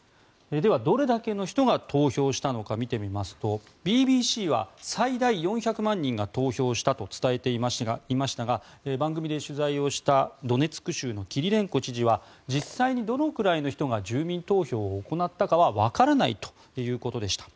では、どれだけの人が投票したのか見てみますとＢＢＣは最大４００万人が投票したと伝えていましたが番組で取材をしたドネツク州のキリレンコ知事は実際にどのくらいの人が住民投票を行ったかはわからないということでした。